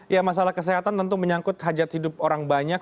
ya masalah kesehatan tentu menyangkut hajat hidup orang banyak